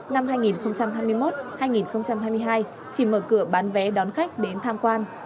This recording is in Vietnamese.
năm hai nghìn hai mươi một hai nghìn hai mươi hai chỉ mở cửa bán vé đón khách đến tham quan